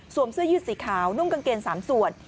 เสื้อยืดสีขาวนุ่งกางเกง๓ส่วน